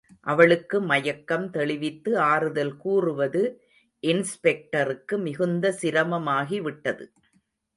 அவளுக்கு மயக்கம் தெளிவித்து ஆறுதல் கூறுவது, இன்ஸ்பெக்டருக்கு மிகுந்த சிரமமாகிவிட்டது.